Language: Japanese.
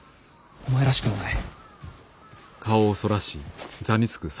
お前らしくもない。